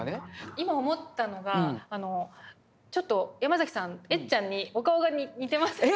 今思ったのがちょっとヤマザキさんエッちゃんにお顔が似てませんか。